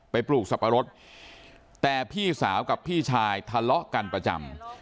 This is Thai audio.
ปลูกสับปะรดแต่พี่สาวกับพี่ชายทะเลาะกันประจำ